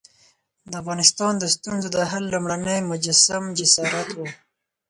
د افغانستان د ستونزو د حل لومړنی مجسم جسارت وو.